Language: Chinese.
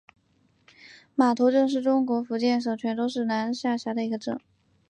码头镇是中国福建省泉州市南安市下辖的一个镇。